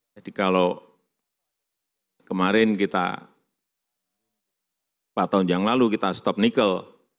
jadi kalau kemarin kita empat tahun yang lalu kita stop nikel